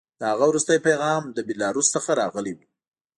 د هغه وروستی پیغام له بیلاروس څخه راغلی و